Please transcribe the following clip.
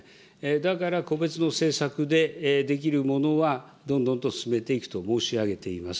だから個別の政策でできるものはどんどんと進めていくと申し上げています。